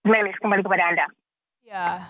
melis kembali kepada anda